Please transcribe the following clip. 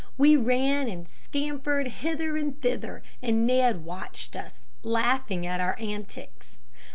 We ran and scampered hither and thither, and Ned watched us, laughing at our antics.